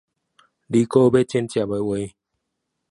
如果要剪輯的話